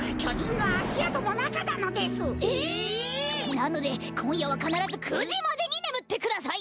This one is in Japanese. なのでこんやはかならず９じまでにねむってください。